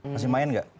masih main gak